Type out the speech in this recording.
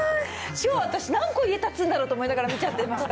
きょう、私、何戸家建つんだろうと思いながら見ちゃってました。